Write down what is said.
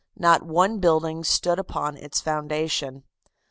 Not one building stood upon its foundation.